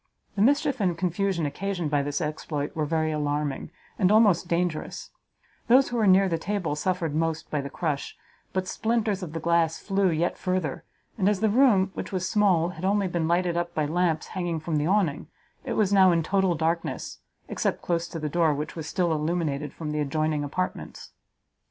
The mischief and confusion occasioned by this exploit were very alarming, and almost dangerous; those who were near the table suffered most by the crush, but splinters of the glass flew yet further; and as the room, which was small, had been only lighted up by lamps hanging from the Awning, it was now in total darkness, except close to the door, which was still illuminated from the adjoining apartments.